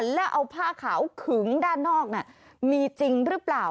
แล้วเอาผ้าขาวขึงด้านนอกมีจริงหรือเปล่า